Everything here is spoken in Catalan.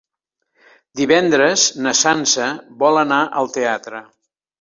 Divendres na Sança vol anar al teatre.